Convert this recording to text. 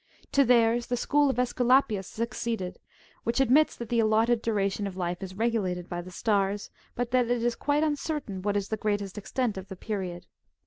^ To theirs the school of ^sculapius succeeded, which admits that the al lotted duration of life is regulated by the stars, but that it is quite uncertain what is the greatest extent of the period.